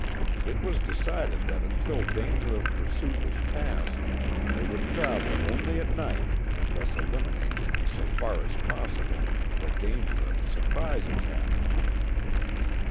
It was decided that until danger of pursuit was past they would travel only at night and thus eliminate in so far as possible, the danger of a surprise attack.